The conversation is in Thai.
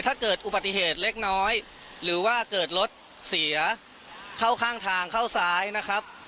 ถ้าเกิดอุบัติเหตุเล็กน้อยหรือว่าเกิดรถเสียเข้าข้างทางเข้าซ้ายนะครับ